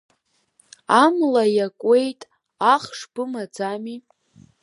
Амла иакуеит, ахш бымаӡами?